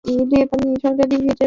台湾艺术大学戏剧系毕业。